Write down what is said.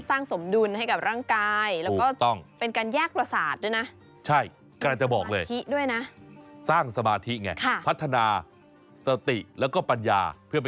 สมดุลให้กับร่างกายแล้วก็ต้องเป็นการแยกประสาทด้วยนะ